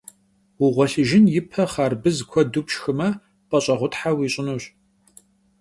Vuğuelhıjjın yipe xharbız kuedı'ue pşşxıme p'eş'eğuthe vuiş'ınuş.